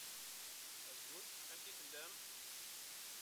Azul! Amek i tellam?